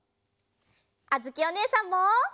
あづきおねえさんも！